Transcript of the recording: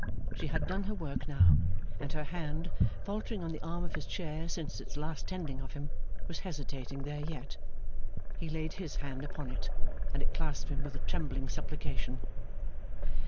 She had done her work now, and her hand, faltering on the arm of his chair since its last tending of him, was hesitating there yet. He laid his hand upon it, and it clasped him with a trembling supplication.